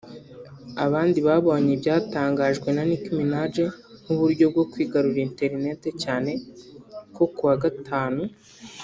Abandi babonye ibyatangajwe na Nicki Minaj nk’ubuyo bwo kwigarurira ‘internet’ cyane ko ku wa Gatanu